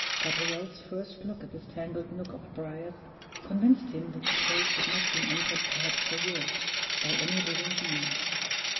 Gabriel's first look at this tangled nook of briers convinced him that the place had not been entered perhaps for years, by any living being.